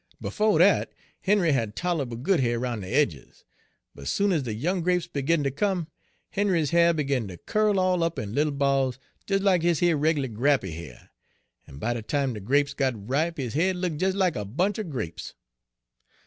Befo' dat, Henry had tol'able good ha'r 'roun' de aidges, but soon ez de young grapes begun ter come, Henry's ha'r begun to quirl all up in little balls, de like dis yer reg'lar grapy ha'r, en by de time de grapes got ripe his head look des like a bunch er grapes.